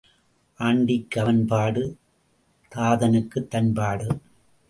ஆண்டிக்கு அவன் பாடு தாதனுக்குத் தன் பாடு.